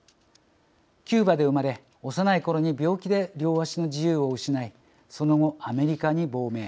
キューバで生まれ、幼いころに病気で両足の自由を失いその後、アメリカに亡命。